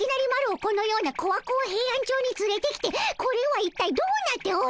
このようなコワコワヘイアンチョウにつれてきてこれはいったいどうなっておるのじゃ。